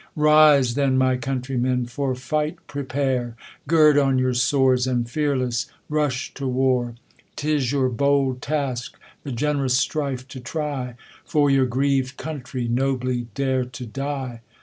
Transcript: Rise ! then, my countr}Tnen, for fight prepare ; Gird on your swords, and fearless rush to war : 'Tis 70 THE COLUMBIAN ORATOR; 'Tis your bold task the gen'rous strife to try ; For your griev'd country nobly dare to die